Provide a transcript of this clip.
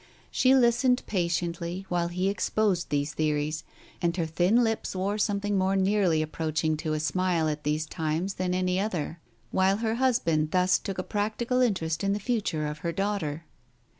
She listened patiently, while he exposed these theories, and her thin lips wore something more nearly approach ing to a smile at these times than any other, while her husband thus took a practical interest in the future of her daughter.